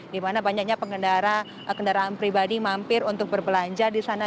di mana banyaknya pengendara kendaraan pribadi mampir untuk berbelanja di sana